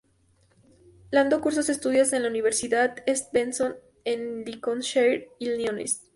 Lando cursó estudios en la Universidad Stevenson en Lincolnshire, Illinois.